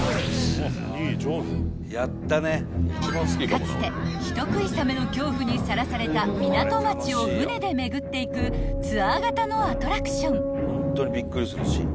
［かつて人食いザメの恐怖にさらされた港町を舟で巡っていくツアー型のアトラクション］